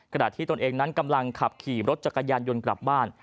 ขณะที่ตนเองนั้นกำลังขับขี่รถจักรยานยนต์กลับบ้าน